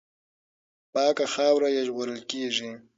پاکه خاوره یې ژغورل کېږي.